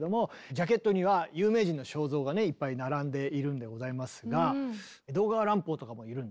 ジャケットには有名人の肖像がいっぱい並んでいるんでございますがエドガー・アラン・ポーとかもいるんだね。